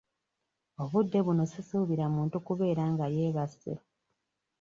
Obudde buno sisuubira muntu kubeera nga yeebase.